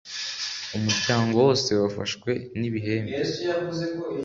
umuryango wose wafashwe n’ibibembe